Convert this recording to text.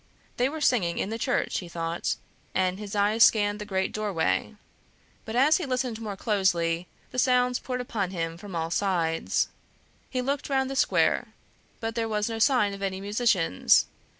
They were singing in the church, he thought, and his eyes scanned the great doorway. But as he listened more closely, the sounds poured upon him from all sides; he looked round the square, but there was no sign of any musicians.